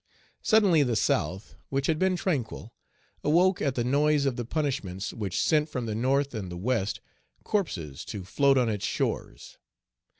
Suddenly the South, which had been tranquil, awoke at the noise of the punishments which sent from the North and the West corpses to float on its shores.